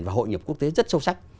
và hội nghiệp quốc tế rất sâu sắc